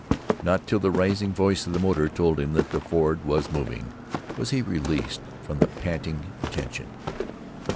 Not till the rising voice of the motor told him that the Ford was moving was he released from the panting tension.